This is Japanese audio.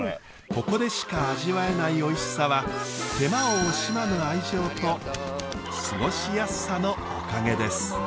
ここでしか味わえないおいしさは手間を惜しまぬ愛情と過ごしやすさのおかげです。